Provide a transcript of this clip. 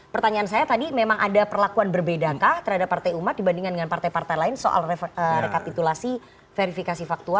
pertanyaan saya tadi memang ada perlakuan berbedakah terhadap partai umat dibandingkan dengan partai partai lain soal rekapitulasi verifikasi faktual